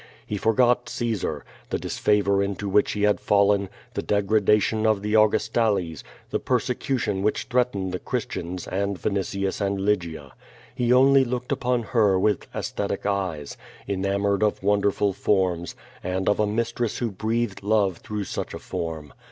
He forgot Caesar, the disfavor into which he had fal len, the degradation of the Augustales, the |>ei secution which threatened the Christians, and Vinitius and Lygia. He only looked upon her with aesthetic eyes, enamored of wonderful forms, and of a mistress who breathed love through such a form.